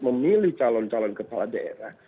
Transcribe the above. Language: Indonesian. memilih calon calon kepala daerah